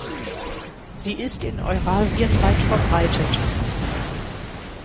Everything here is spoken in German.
Sie ist in Eurasien weitverbreitet.